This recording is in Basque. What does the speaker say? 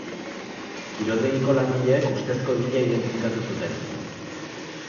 Kiroldegiko langileek ustezko egilea identifikatu zuten.